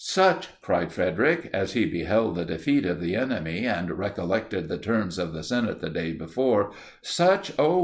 "Such!" cried Frederic, as he beheld the defeat of the enemy, and recollected the terms of the senate the day before, "Such, O!